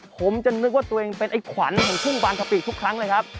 ผมจะนึกว่าตัวเองเป็นไอ้ขวัญของทุ่งบางกะปิทุกครั้งเลยครับ